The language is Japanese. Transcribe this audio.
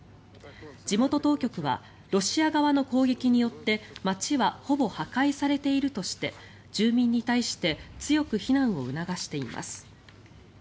地元当局はロシア側の攻撃によって街は、ほぼ破壊されているとして住民に対して強く避難を促しています。